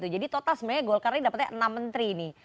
jadi total sebenarnya golkar ini dapatnya enam menteri ini